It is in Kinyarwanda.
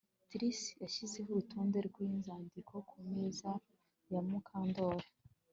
Trix yashyize urutonde rwinzandiko ku meza ya Mukandoli